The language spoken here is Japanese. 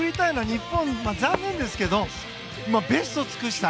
日本は残念でしたけどベストを尽くした。